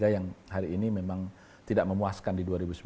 yang hari ini memang tidak memuaskan di dua ribu sembilan belas